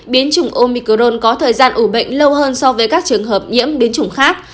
biến chủng omicrone có thời gian ủ bệnh lâu hơn so với các trường hợp nhiễm biến chủng khác